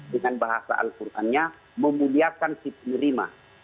dengan bahasa al qurannya memuliakan si penerima